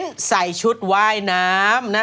มินใส่ชุดว่ายน้ำนะคะ